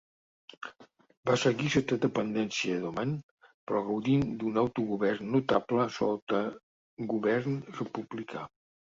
Va seguir sota dependència d'Oman però gaudint d'un autogovern notable sota govern republicà.